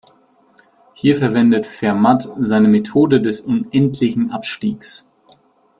Hier verwendet Fermat seine Methode des unendlichen Abstiegs.